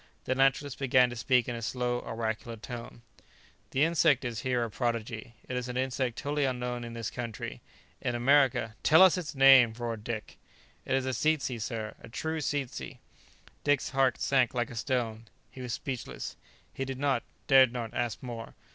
The naturalist began to speak in a slow, oracular tone. "This insect is here a prodigy; it is an insect totally unknown in this country, in America." "Tell us its name!" roared Dick. "It is a tzetzy, sir, a true tzetzy." Dick's heart sank like a stone. He was speechless. He did not, dared not, ask more.